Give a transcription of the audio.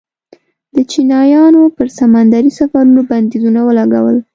د چینایانو پر سمندري سفرونو بندیزونه ولګول.